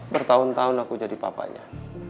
bertahun tahun aku jadi papanya